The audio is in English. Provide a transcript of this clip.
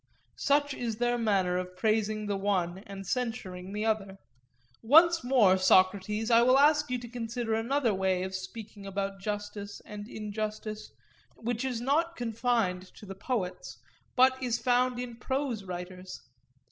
Such is their manner of praising the one and censuring the other. Once more, Socrates, I will ask you to consider another way of speaking about justice and injustice, which is not confined to the poets, but is found in prose writers.